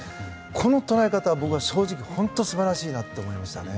この捉え方は僕は正直本当素晴らしいなと思いました。